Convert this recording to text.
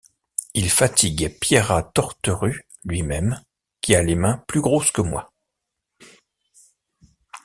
Il fatigue Pierrat Torterue lui-même, qui a les mains plus grosses que moi.